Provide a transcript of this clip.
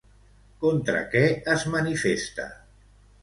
Contra què es manifesta?